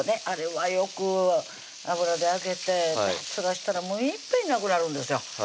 あれはよく油で揚げてパッと出したらもういっぺんになくなるんですよ